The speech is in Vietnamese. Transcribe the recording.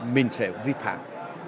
mình sẽ vi phạm